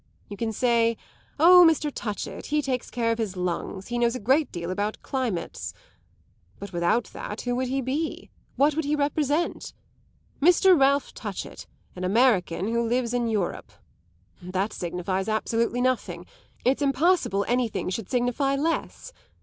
You can say: 'Oh, Mr. Touchett, he takes care of his lungs, he knows a great deal about climates.' But without that who would he be, what would he represent? 'Mr. Ralph Touchett: an American who lives in Europe.' That signifies absolutely nothing it's impossible anything should signify less.